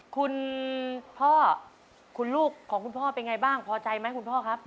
คุณพ่อคุณลูกของคุณพ่อเป็นไงบ้างพอใจไหมคุณพ่อครับ